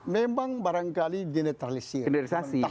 memang barangkali dinetralisir